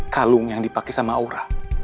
kalung yang dipakai sama aura